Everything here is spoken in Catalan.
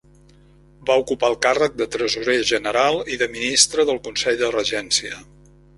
Va ocupar el càrrec de Tresorer general i de Ministre del Consell de Regència.